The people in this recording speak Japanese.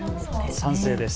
賛成です。